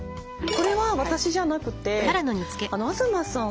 これは私じゃなくて東さん